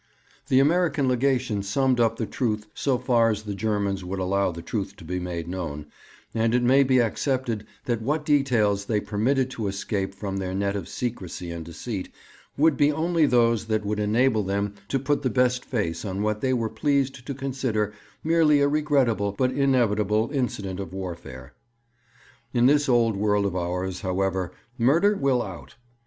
The American Legation summed up the truth so far as the Germans would allow the truth to be made known and it may be accepted that what details they permitted to escape from their net of secrecy and deceit would be only those that would enable them to put the best face on what they were pleased to consider merely a regrettable, but inevitable, incident of warfare. In this old world of ours, however, 'murder will out.'